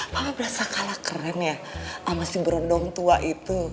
papa berasa kalah keren ya sama si berondong tua itu